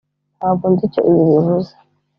ntabwo nzi icyo ibi bivuze.